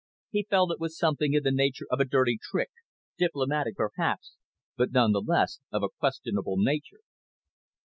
He felt it was something in the nature of a dirty trick, diplomatic perhaps, but none the less of a questionable nature.